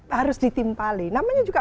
harus ditimpali namanya juga